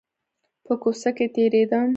په کوڅه کښې تېرېدم .